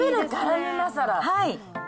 はい。